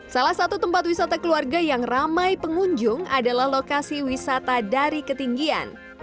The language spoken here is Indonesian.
salah satu tempat wisata keluarga yang ramai pengunjung adalah lokasi wisata dari ketinggian